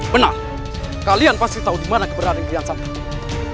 benar kalian pasti tahu dimana keberadaan kian santan